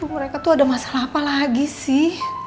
mereka tuh ada masalah apa lagi sih